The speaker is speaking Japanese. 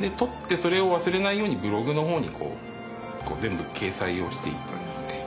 で撮ってそれを忘れないようにブログの方に全部掲載をしていったんですね。